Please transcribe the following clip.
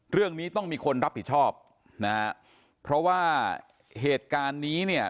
เรื่องนี้ต้องมีคนรับผิดชอบนะฮะเพราะว่าเหตุการณ์นี้เนี่ย